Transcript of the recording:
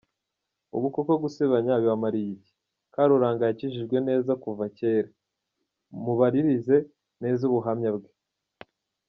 ubu koko gusebanya bibabamariye iki, Karuranga yakijijwe neza kuva kera, mubaririze neza ubuhamya bwe.